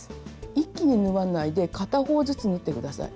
一気に縫わないで片方ずつ縫って下さい。